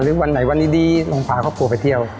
วันไหนวันดีลองพาครอบครัวไปเที่ยว